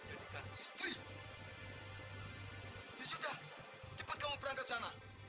ya sudah cepat kamu berangkat sana